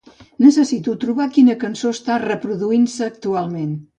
Necessito trobar quina cançó està reproduint-se actualment.